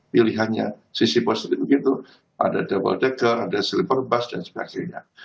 pilihannya sisi positif begitu ada double decker ada silver bus dan sebagainya